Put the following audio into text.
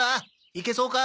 いけそうか？